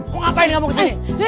kok ngapain kamu kesini